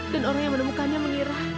dan orang yang menemukannya mengira